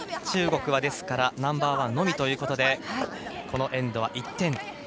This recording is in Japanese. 中国はナンバーワンのみということでこのエンドは１点。